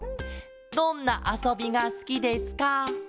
「どんなあそびがすきですか？」。